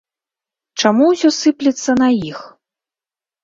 Чаму ўсё сыплецца на іх?